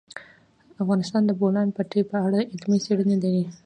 افغانستان د د بولان پټي په اړه علمي څېړنې لري.